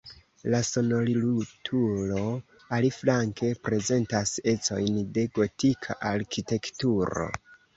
La sonorilturo, aliflanke, prezentas ecojn de gotika arkitekturo.